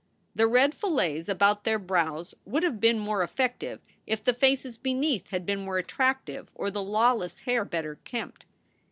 The red fillets about their brows would have been more effective if the faces beneath had been more attractive or the lawless hair better kempt.